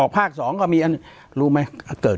ปากกับภาคภูมิ